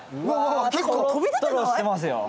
とろっとろしてますよ。